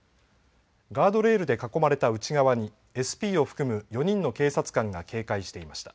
ガードレールで囲まれた内側にＳＰを含む４人の警察官が警戒していました。